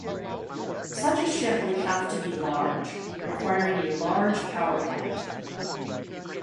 Such a ship would have to be large, requiring a large power plant.